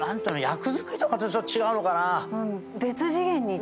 役作りとかとちょっと違うのかな。